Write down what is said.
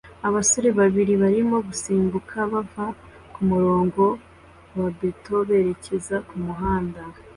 Abasore babiri barimo gusimbuka bava kumurongo wa beto berekeza kumuhanda